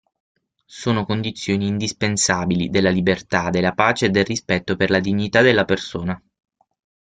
Sono condizioni indispensabili della libertà, della pace e del rispetto per la dignità della persona.